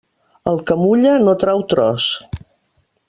El que mulla no trau tros.